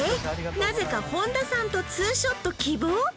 なぜか本田さんと２ショット希望！？